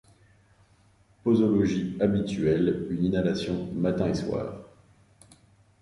Posologie habituelle une inhalation matin et soir.